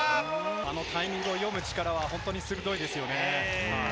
あのタイミングを読む力は鋭いですよね。